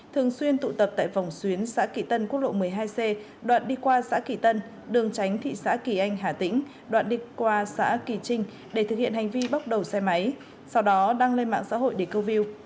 thường xuyên tụ tập tại vòng xuyến xã kỳ tân quốc lộ một mươi hai c đoạn đi qua xã kỳ tân đường tránh thị xã kỳ anh hà tĩnh đoạn đi qua xã kỳ trinh để thực hiện hành vi bóc đầu xe máy sau đó đăng lên mạng xã hội để câu view